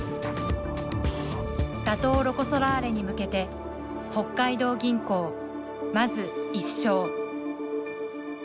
打倒ロコ・ソラーレに向けて北海道銀行まず１勝。